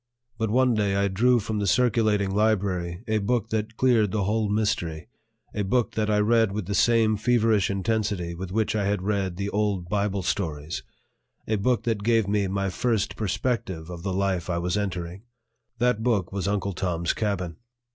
But one day I drew from the circulating library a book that cleared the whole mystery, a book that I read with the same feverish intensity with which I had read the old Bible stories, a book that gave me my first perspective of the life I was entering; that book was Uncle Tom's Cabin.